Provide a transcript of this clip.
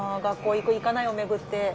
学校行く行かないを巡って。